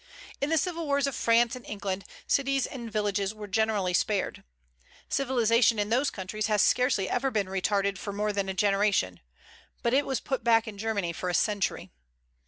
In the civil wars of France and England, cities and villages were generally spared. Civilization in those countries has scarcely ever been retarded for more than a generation; but it was put back in Germany for a century.